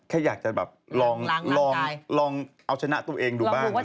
แค่อยากจะแบบลองลองลองลองเอาชนะตัวเองดูบ้างเลย